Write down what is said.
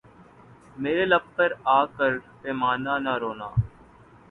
میرے لب پہ آ کر پیمانے نہ رونا